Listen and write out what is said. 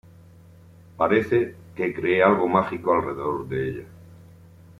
Parece que cree algo mágico alrededor de ella.